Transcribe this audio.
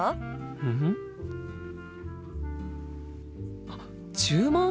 うん？あっ注文？